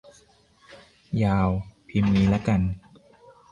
ยาว พิมพ์งี้ละกัน